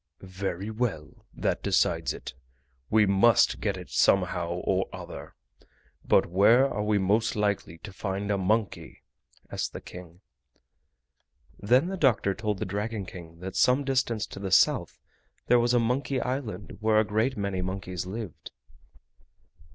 "Very well, that decides it; we MUST get it somehow or other. But where are we most likely to find a monkey?" asked the King. Then the doctor told the Dragon King that some distance to the south there was a Monkey Island where a great many monkeys lived.